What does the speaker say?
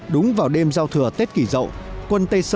đúng vào đêm giao thừa tết kỳ rậu quân tây sáu